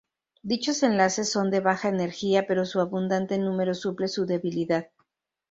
Dichos enlaces son de baja energía, pero su abundante número suple su debilidad.